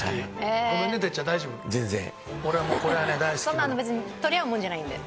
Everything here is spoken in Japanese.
そんな別に取り合うものじゃないんで。